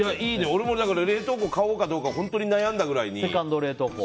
俺も冷凍庫買おうかどうか本当に悩んだくらいに。